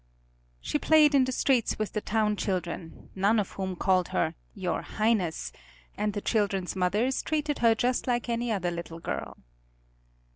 She played in the streets with the town children, none of whom called her "Your Highness," and the children's mothers treated her just like any other little girl.